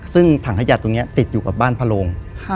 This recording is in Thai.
ซึ่งถังขยะตรงนี้ติดอยู่กับบ้านพระโรง